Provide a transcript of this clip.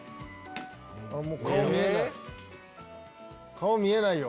顔見えないよ。